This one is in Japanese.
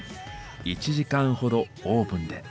１時間ほどオーブンで。